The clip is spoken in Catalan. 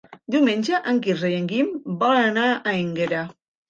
Diumenge en Quirze i en Guim volen anar a Énguera.